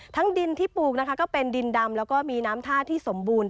ดินที่ปลูกนะคะก็เป็นดินดำแล้วก็มีน้ำท่าที่สมบูรณ